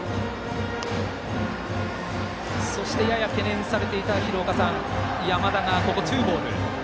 そして、やや懸念されていた山田が、ここツーボール。